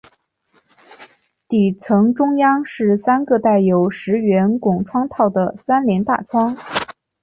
底层中央是三个带有石圆拱窗套的三联大窗。